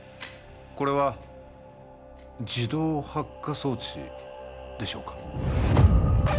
これは自動発火装置でしょうか